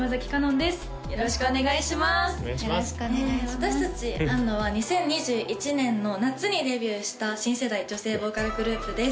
私達ｅｔ−アンド−は２０２１年の夏にデビューした新世代女性ボーカルグループです